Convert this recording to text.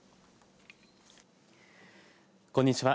こんにちは。